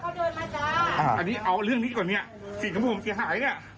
เขาเดินมาจ้าอ่าอันนี้เอาเรื่องนี้ก่อนเนี้ยสิ่งของผมเสียหายเนี้ย